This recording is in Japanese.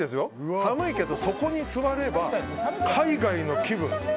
寒いけどそこに座れば海外の気分。